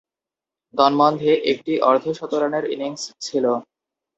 তন্মধ্যে, একটি অর্ধ-শতরানের ইনিংস ছিল।